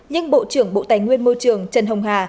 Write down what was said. nhưng bộ trưởng bộ tài nguyên môi trường trần hồng hà